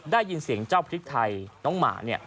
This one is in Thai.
ได้ยินเสียงเจ้าพริกไทยน้องหมาเนี่ย